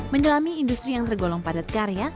menyelami industri yang tergolong padat karya